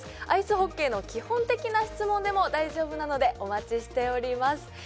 アイスホッケーの基本的な質問でも大丈夫なのでお待ちしております。